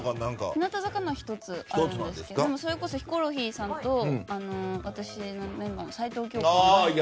日向坂のは１つあるんですけどそれこそヒコロヒーさんとメンバーの齊藤京子さんのも。